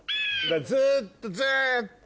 ずっとずっと。